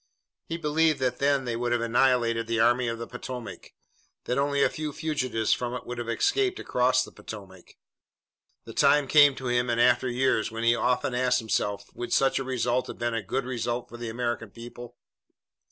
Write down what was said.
He believed that then they would have annihilated the Army of the Potomac, that only a few fugitives from it would have escaped across the Potomac. The time came to him in after years when he often asked himself would such a result have been a good result for the American people.